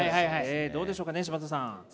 どうでしょうか、柴田さん。